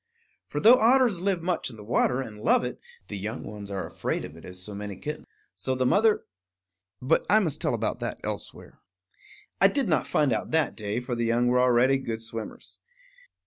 For, though otters live much in the water and love it, the young ones are afraid of it as so many kittens. So the mother But I must tell about that elsewhere. I did not find out that day; for the young were already good swimmers.